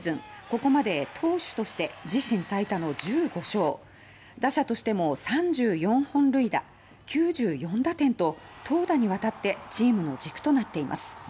ここまで投手として自身最多の１５勝打者としても３４本塁打９４打点と投打にわたってチームの軸となっています。